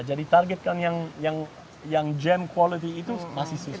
jadi targetkan yang jam kualitas itu masih susah